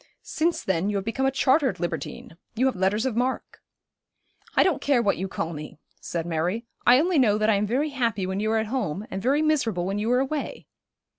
Since then you have become a chartered libertine. You have letters of mark.' 'I don't care what you call me,' said Mary. 'I only know that I am very happy when you are at home, and very miserable when you are away.'